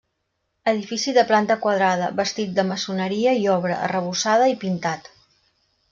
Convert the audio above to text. Edifici de planta quadrada, bastit de maçoneria i obra, arrebossada i pintat.